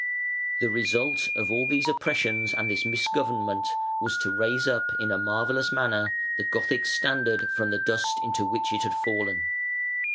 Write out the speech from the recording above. The result of all these oppressions and this misgovernment was to raise up in a marvellous manner the Gothic standard from the dust into which it had fallen.